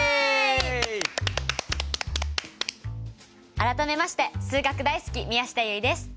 改めまして数学大好き宮下結衣です。